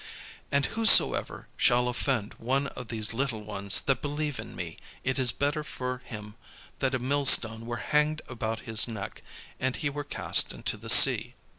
And whosoever shall offend one of these little ones that believe in me, it is better for him that a millstone were hanged about his neck, and he were cast into the sea.